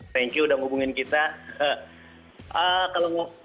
thank you udah hubungin kita